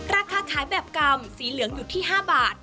ราคาขายแบบกำสีเหลืองอยู่ที่๕บาท